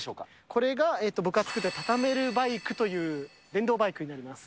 これが僕が作ったタタメルバイクという電動バイクになります。